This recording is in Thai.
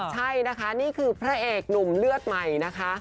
ใช่นะคะนี่คือพระเอกหนุ่มเลือดใหม่นะคะ